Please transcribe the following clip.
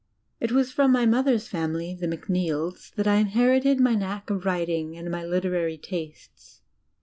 It was from my mother's family the Macneills that I in herited my knack of writing and my literary tastes.